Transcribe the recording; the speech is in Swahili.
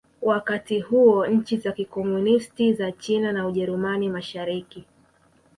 Wakati huo nchi za Kikomunisti za China na Ujerumani Mashariki